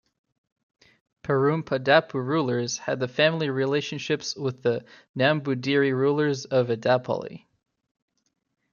Perumpadappu rulers had family relationships with the Nambudiri rulers of Edappally.